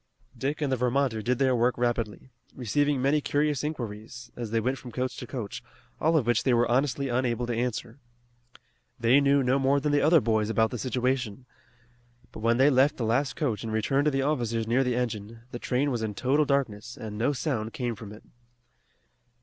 Dick and the Vermonter did their work rapidly, receiving many curious inquiries, as they went from coach to coach, all of which they were honestly unable to answer. They knew no more than the other boys about the situation. But when they left the last coach and returned to the officers near the engine, the train was in total darkness, and no sound came from it.